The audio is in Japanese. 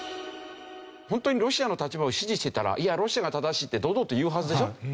ホントにロシアの立場を支持してたら「いやロシアが正しい」って堂々と言うはずでしょ。